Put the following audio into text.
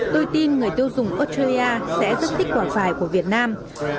tôi tin người tiêu dùng australia sẽ rất tích quả vải của việt nam